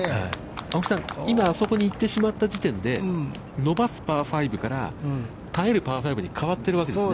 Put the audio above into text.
青木さん、今あそこに行ってしまった時点で、伸ばすパー５から、耐えるパー５に変わっているわけですね。